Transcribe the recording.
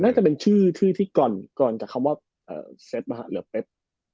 น่าจะเป็นชื่อที่ก่อนจากคำว่าเซ็ตเหลือเป๊บ